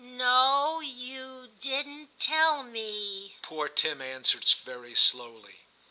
* No — you — didn't — tell — me,' poor Tim answered very slowly.